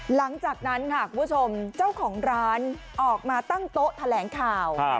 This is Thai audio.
หลังจากนั้นค่ะคุณผู้ชมเจ้าของร้านออกมาตั้งโต๊ะแถลงข่าว